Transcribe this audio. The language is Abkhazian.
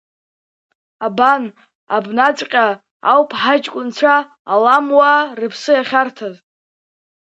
Абан, абнаҵәҟьа ауп ҳаҷкәынцәа аламуаа рыԥсы иахьарҭаз!